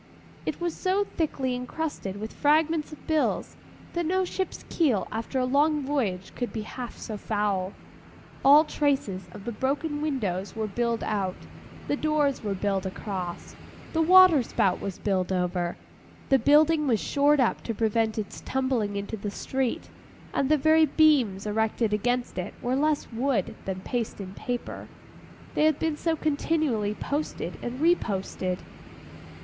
It was so thickly encrusted with fragments of bills, that no ship's keel after a long voyage could be half so foul. All traces of the broken windows were billed out, the doors were billed across, the water spout was billed over. The building was shored up to prevent its tumbling into the street; and the very beams erected against it were less wood than paste and paper, they had been so continually posted and reposted.